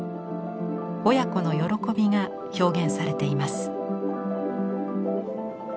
親子の喜びが表現されています。